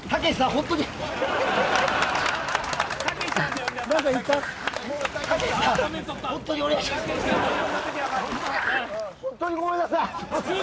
本当に、ごめんなさい。